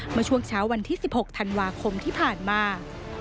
เมื่อช่วงเช้าวันที่๑๖ธันวาคมที่ผ่านมา